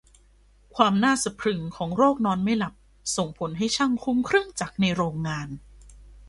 ความน่าสะพรึงของโรคนอนไม่หลับส่งผลให้ช่างคุมเครื่องจักรในโรงงาน